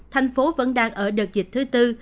thành phố vẫn đang ở đợt dịch thứ tư